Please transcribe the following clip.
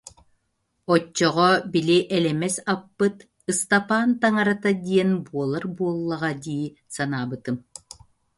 Оччоҕо били элэмэс аппыт Ыстапаан таҥарата диэн буолар буоллаҕа дии санаабытым